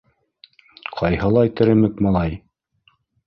— Ҡайһылай теремек малай.